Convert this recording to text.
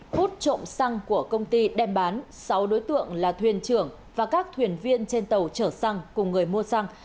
hút trộm xăng của công ty đem bán sáu đối tượng là thuyền trưởng và các thuyền viên trên tàu trở xăng cùng người mua xăng